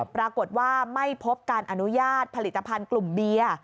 ปรากฏว่าไม่พบการอนุญาตผลิตภัณฑ์กลุ่มเบียร์